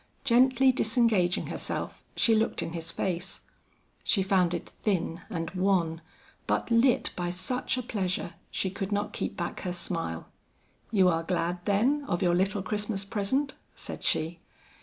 Gently disengaging herself, she looked in his face. She found it thin and wan, but lit by such a pleasure she could not keep back her smile. "You are glad, then, of your little Christmas present?" said she.